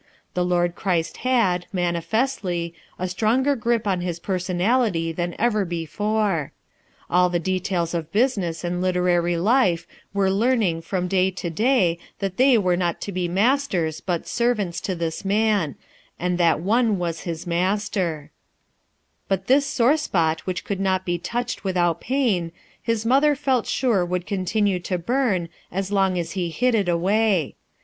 The Lord Christ had, manifestly, a stronger grip on his personality than ever before. All the de tails of business and literary life were learning from day to day that they were not to be masters but servants to this man, and that One was his Master, But this sore spot which could not be touched without pain, his mother felt sure would con tinue to burn as long as he hid it away.